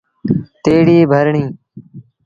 تيّڙيٚ ڀرڻيٚ۔